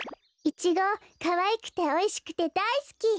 イチゴかわいくておいしくてだいすき。